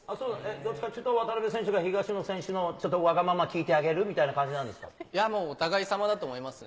どっちかっていうと、渡辺選手が東野選手のちょっとわがまま聞いてあげるみたいな感じなんでいやもう、お互いさまだと思いますね。